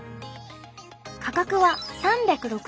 価格は３６０万元。